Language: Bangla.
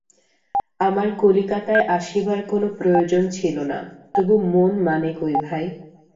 আমার কলিকাতায় আসিবার কোনো প্রয়োজনই ছিল না, তবু মন মানে কই ভাই।